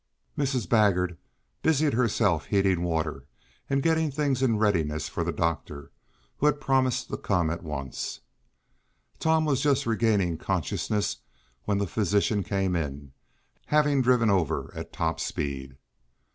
Mrs. Baggert busied herself heating water and getting things in readiness for the doctor, who had promised to come at once. Tom was just regaining consciousness when the physician came in, having driven over at top speed.